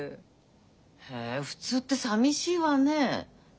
へえ普通ってさみしいわねえ。